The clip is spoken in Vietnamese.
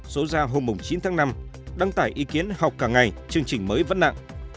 số ra hôm chín tháng năm đăng tải ý kiến học cả ngày chương trình mới vẫn nặng